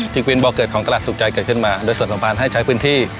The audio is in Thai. จึงเป็นบ่อเกิดของตลาดสุขใจเกิดขึ้นมาโดยส่วนสะพานให้ใช้พื้นที่